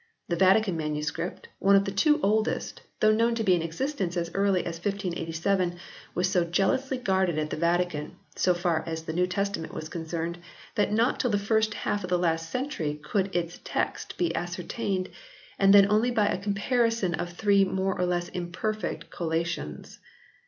The Vatican MS., one of the two oldest, though known to be in existence as early as 1587 was so jealously guarded at the Vatican, so far as the New Testament was concerned, that not till the first half of last century could its text be ascer tained and then only by a comparison of three more or less imperfect collations.